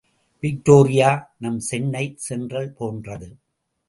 Victoria நம் Chennai Central போன்றது.